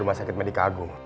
di rumah sakit medika agung